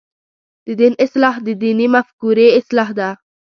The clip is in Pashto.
د دین اصلاح د دیني مفکورې اصلاح ده.